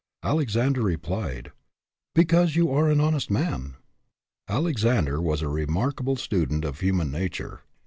Alexander replied, "Because you are an honest man." Alexander was a remarkable student of human nature.